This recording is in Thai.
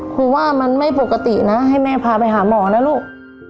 คือว่ามันไม่ปกตินะให้แม่พาไปหาหมอนะลูก